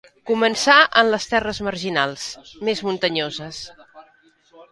Començà en les terres marginals, més muntanyoses.